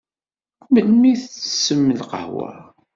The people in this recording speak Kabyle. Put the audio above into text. Melmi i tettessem lqahwa?